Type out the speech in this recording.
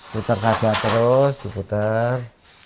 putar kaca terus diputar